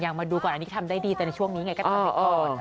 มาดูก่อนอันนี้ทำได้ดีแต่ในช่วงนี้ไงก็ทำไปก่อน